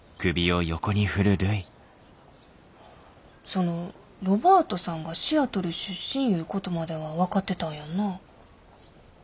そのロバートさんがシアトル出身いうことまでは分かってたんやんな？